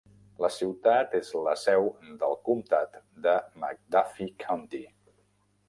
La ciutat és la seu del comtat de McDuffie County.